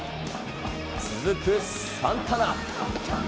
続くサンタナ。